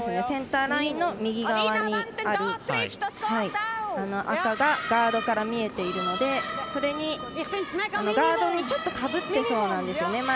センターラインの右側にある赤がガードから見えているのでそれにガードに、ちょっとかぶってそうなんですよね。